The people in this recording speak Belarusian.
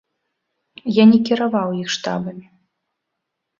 Я не кіраваў іх штабамі.